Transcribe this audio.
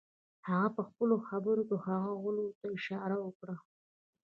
هغه پهخپلو خبرو کې هغو غلو ته اشاره وکړه.